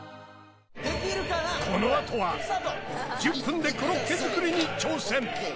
このあとは１０分でコロッケ作りに挑戦